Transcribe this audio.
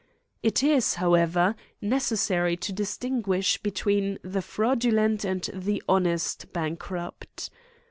It is, however, necessary to distinguish between the fraudulent and the honest bankrupt.